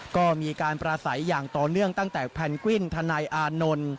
ก็มีการประสัยอย่างต่อเนื่องตั้งแต่แพนกวินทนายอานนท์